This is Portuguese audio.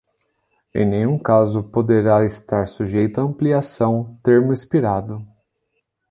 Em nenhum caso poderá estar sujeito a ampliação, termo expirado.